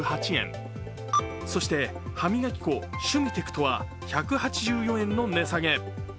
そして歯磨き粉シュミテクトは１８４円の値下げ。